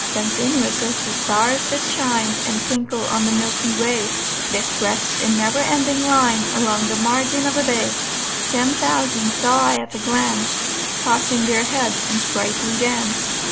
Continuous as the stars that shine And twinkle on the milky way, They stretch'd in never ending line Along the margin of a bay: Ten thousand saw I at a glance Tossing their heads in sprightly dance.